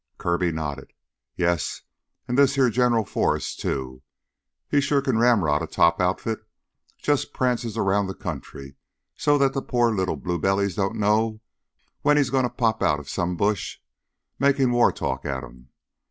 Kirby nodded. "Yes, an' this heah General Forrest, too. He sure can ramrod a top outfit. Jus' prances round the country so that the poor little blue bellies don't know when he's goin' to pop outta some bush, makin' war talk at 'em.